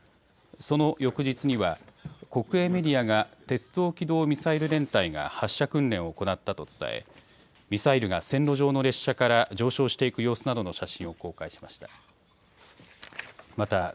その翌日には国営メディアが鉄道機動ミサイル連隊が発射訓練を行ったと伝えミサイルが線路上の列車から上昇していく様子などの写真を公開しました。